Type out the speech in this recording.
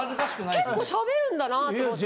結構喋るんだなと思って。